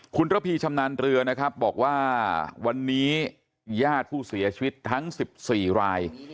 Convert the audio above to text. คุณระพีชำนาญเรือนะครับบอกว่าวันนี้ญาติผู้เสียชีวิตทั้ง๑๔ราย